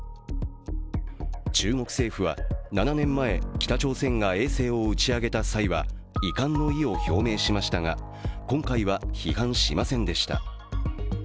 中国政府は７年前、北朝鮮が衛星を打ち上げた際は遺憾の意を表明しましたが今回は批判しませんでした。